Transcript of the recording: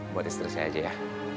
buat istri saya aja ya